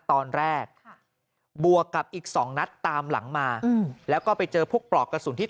ตอนแรกบวกกับอีกสองนัดตามหลังมาแล้วก็ไปเจอพวกปลอกกระสุนที่